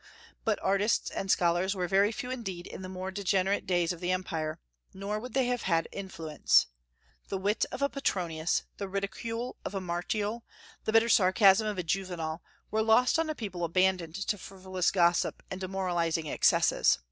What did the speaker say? But artists and scholars were very few indeed in the more degenerate days of the empire; nor would they have had influence. The wit of a Petronius, the ridicule of a Martial, the bitter sarcasm of a Juvenal were lost on a people abandoned to frivolous gossip and demoralizing excesses.